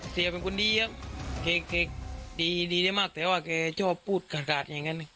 เสียเป็นคนดีเขาดีมากแต่ว่าแกชอบพูดขาดอย่างนั้น